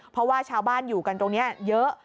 เพราะว่าชาวบ้านอยู่กันตรงนี้เยอะ